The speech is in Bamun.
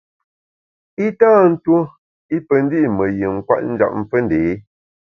I tâ tuo i pe ndi’ me yin kwet njap fe ndé.